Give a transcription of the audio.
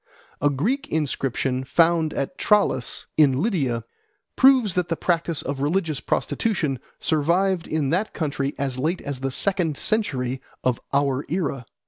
A Greek inscription found at Tralles in Lydia proves that the practice of religious prostitution survived in that country as late as the second century of our era.